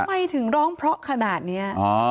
ทำไมถึงร้องเพราะขนาดนี้